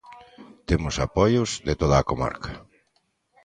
Temos apoios de toda a comarca.